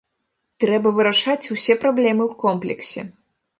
Трэба вырашаць усе праблемы ў комплексе.